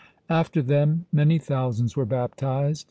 After them many thousands were baptized.